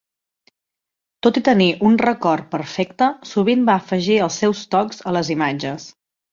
Tot i tenir un record perfecte, sovint va afegir els seus tocs a les imatges.